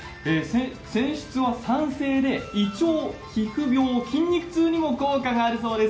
泉質は酸性で胃腸、皮膚病、筋肉痛にも効果があるそうです。